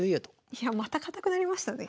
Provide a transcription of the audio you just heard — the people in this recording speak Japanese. いやまた堅くなりましたね。